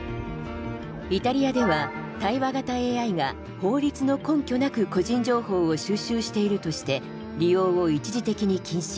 イタリアでは対話型ＡＩが法律の根拠なく個人情報を収集しているとして利用を一時的に禁止。